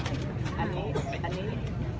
ได้อันนี้อันนี้